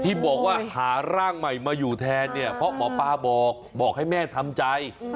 ที่บอกว่าหาร่างใหม่มาอยู่แทนเนี่ยเพราะหมอปลาบอกบอกให้แม่ทำใจ